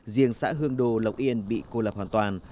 riêng xã hương đồ lộc yên bị cô lập hoàn toàn